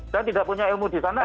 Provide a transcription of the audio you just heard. saya tidak punya ilmu di sana